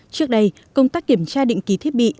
trước đây công tác kiểm tra định ký thiết bị